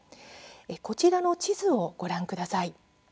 こちらの地図をご覧ください。